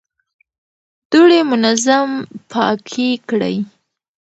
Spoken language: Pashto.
دوړې منظم پاکې کړئ.